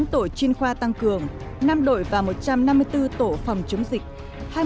bốn tổ chuyên khoa tăng cường năm đội và một trăm năm mươi bốn tổ phòng chống dịch